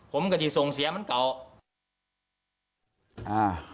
ผมก็จะส่งเสียเหมือนเก่า